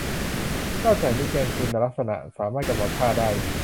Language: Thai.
นอกจากนี้แกนคุณลักษณะสามารถกำหนดค่าได้